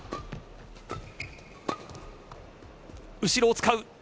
後ろ使う。